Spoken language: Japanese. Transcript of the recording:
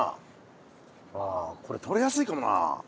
あこれ取れやすいかもな。